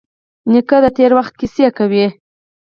نیکه د تېر وخت کیسې کوي.